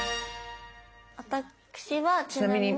私はちなみに。